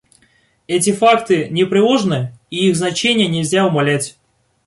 Эти факты непреложны, и их значение нельзя умалять.